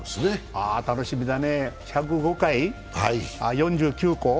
あ、楽しみだね、１０５回、４９校。